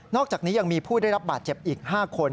อกจากนี้ยังมีผู้ได้รับบาดเจ็บอีก๕คน